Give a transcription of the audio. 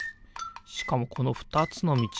しかもこのふたつのみち